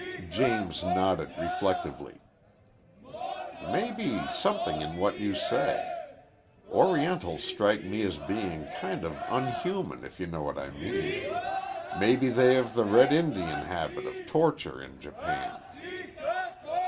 James nodded, reflectively. "Maybe something in what you say. Orientals strike me as being kind of unhuman, if you know what I mean. Maybe they have the red Indian habit of torture in Japan."